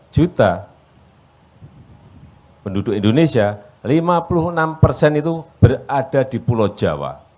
dua ratus tujuh puluh tiga juta penduduk indonesia lima puluh enam persen itu berada di pulau jawa